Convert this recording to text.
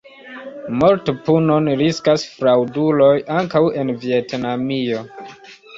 Mortpunon riskas fraŭduloj ankaŭ en Vjetnamio.